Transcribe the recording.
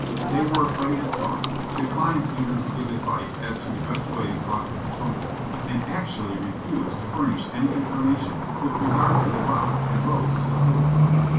They were afraid to talk, declined even to give advice as to the best way to cross the Potomac, and actually refused to furnish any information with regard to the routes and roads to the fords.